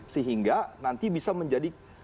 sehingga nanti bisa menjadi